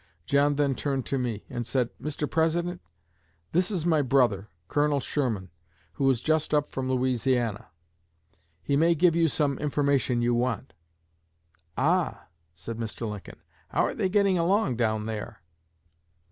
John then turned to me, and said, 'Mr. President, this is my brother, Colonel Sherman, who is just up from Louisiana; he may give you some information you want.' 'Ah!' said Mr. Lincoln, 'how are they getting along down there?'